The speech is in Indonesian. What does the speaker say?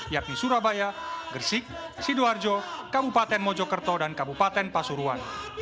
yakni surabaya gersik sidoarjo kabupaten mojokerto dan kabupaten pasuruan